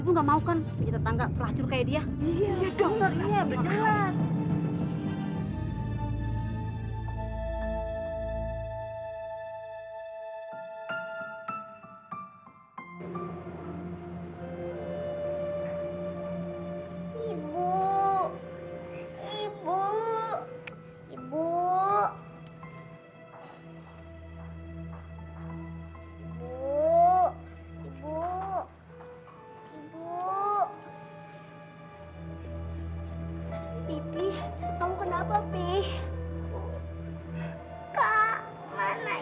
nggak mau kan tetangga pelacur kayak dia iya iya iya bener